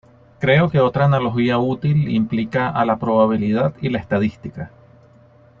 Creo que otra analogía útil implica a la probabilidad y la estadística.